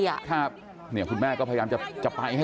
อยากจะเห็นว่าลูกเป็นยังไงอยากจะเห็นว่าลูกเป็นยังไง